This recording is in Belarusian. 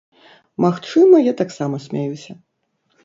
Магчыма, я таксама смяюся.